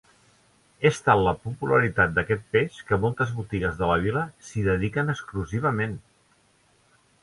És tal la popularitat d'aquest peix que moltes botigues de la vila s'hi dediquen exclusivament.